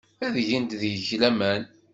Ad gent deg-k laman.